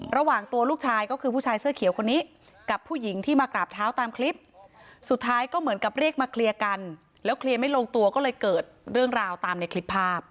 ระหว่างตัวลูกชายก็คือผู้ชายเสื้อเขียวคนนี้กับผู้หญิงที่มากราบเท้าตามคลิปสุดท้ายก็เหมือนกับเรียกมาเคลียร์กันแล้วเคลียร์ไม่ลงตัวก็เลยเกิดเรื่องราวตามในคลิปภาพ